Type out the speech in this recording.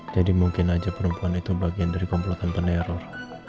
jadi mungkin aja perempuan itu bagian dari komplotan peneror